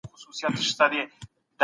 د عصري زده کړو لپاره چاپېریال برابرېږي.